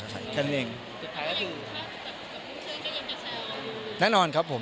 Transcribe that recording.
สุดท้ายแล้วก็คือโปรปกรุงเชิญกับเฉทยาว